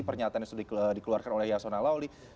pernyataan yang sudah dikeluarkan oleh yasona lawli